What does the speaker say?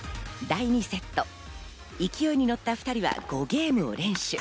第２セット、勢いにのった２人は５ゲームを連取。